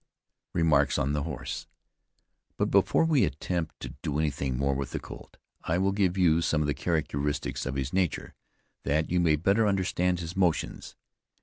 REMARKS ON THE HORSE. But before we attempt to do anything more with the colt, I will give you some of the characteristics of his nature, that you may better understand his motions.